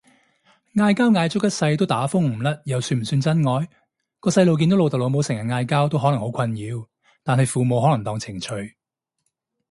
嗌交嗌足一世都打風唔甩又算唔算真愛？個細路見到老豆老母成日嗌交都可能好困擾，但係父母可能當情趣